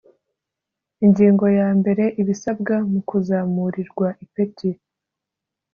Ingingo ya mbere Ibisabwa mu kuzamurirwa ipeti